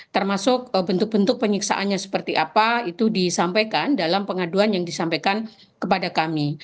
termasuk bentuk bentuk penyiksaannya seperti apa itu disampaikan dalam pengaduan yang disampaikan kepada kami